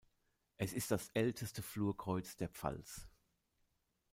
Es ist das älteste Flurkreuz der Pfalz.